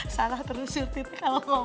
salah terus surti kalau ngomong